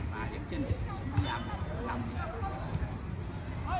อย่างเช่นพยายามนำ